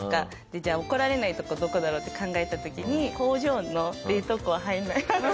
じゃあ怒られないとこどこだろうって考えた時に工場の冷凍庫は入らないなと思って。